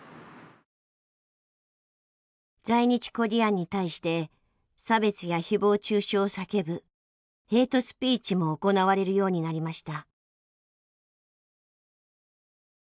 在日コリアンに対して差別や誹謗中傷を叫ぶヘイトスピーチも行われるようになりました。